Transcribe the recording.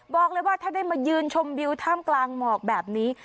บอกเลยว่าถ้าได้มายืนชมวิวท่ามกลางหมอกแบบนี้